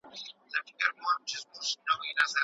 خو وروسته د نوي نسل ملاتړ زیات شو.